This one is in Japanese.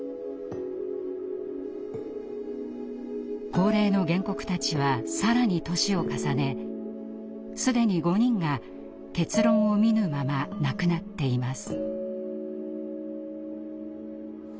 高齢の原告たちは更に年を重ね既に５人が結論を見ぬまま亡くなっています。